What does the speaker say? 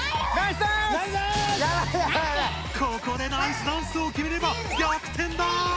ここでナイスダンスをきめれば逆転だ！